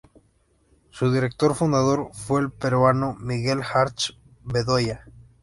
Su director fundador fue el peruano "Miguel Harth-Bedoya".